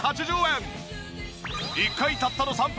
１回たったの３分。